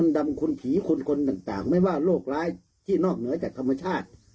มนตร์ดำคนผีคนคนต่างต่างไม่ว่าโรคร้ายที่นอกเหนือจากธรรมชาติ